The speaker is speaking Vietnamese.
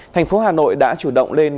thành phố hà nội đã chủ động lên